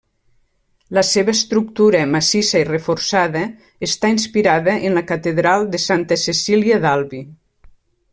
La seva estructura massissa i reforçada està inspirada en la catedral de Santa Cecília d'Albi.